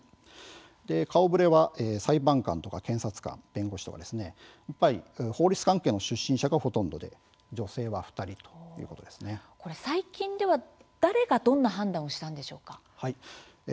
顔ぶれは裁判官、検察官、弁護士法律関係の出身者がほとんどで最近では誰がどんな判断をしたんですか。